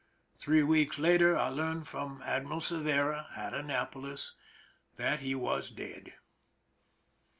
Three weeks later I learned from Admiral Cervera, at Annapolis, that he was dead.